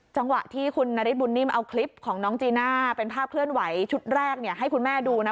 จังหวะที่คุณนฤทธบุญนิ่มเอาคลิปของน้องจีน่าเป็นภาพเคลื่อนไหวชุดแรกให้คุณแม่ดูนะ